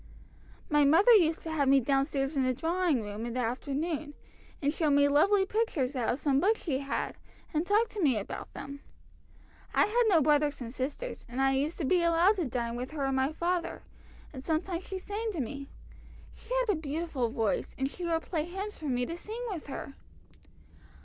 "My mother used to have me down stairs in the drawing room in the afternoon, and show me lovely pictures out of some books she had, and talk to me about them. I had no brothers and sisters, and I used to be allowed to dine with her and my father, and sometimes she sang to me. She had a beautiful voice, and she would play hymns for me to sing with her."